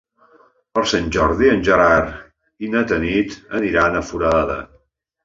Per Sant Jordi en Gerard i na Tanit iran a Foradada.